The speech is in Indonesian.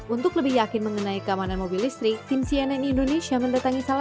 untuk lebih yakin mengenai keamanan mobil listrik kita akan mencari komponen yang lebih mudah